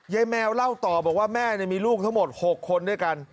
แมวเล่าต่อบอกว่าแม่มีลูกทั้งหมด๖คนด้วยกัน